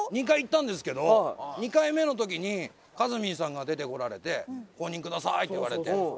２回行ったんですけど２回目のときにかずみんさんが出てこられて「公認下さい」って言われて。